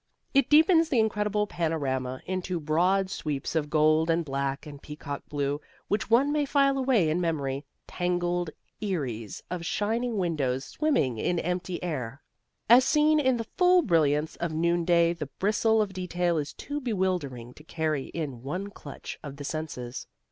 It deepens this incredible panorama into broad sweeps of gold and black and peacock blue which one may file away in memory, tangled eyries of shining windows swimming in empty air. As seen in the full brilliance of noonday the bristle of detail is too bewildering to carry in one clutch of the senses.